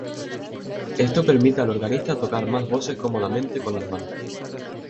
Esto permite al organista tocar más voces cómodamente con las manos.